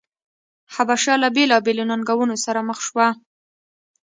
حبشه له بېلابېلو ننګونو سره مخ شوه.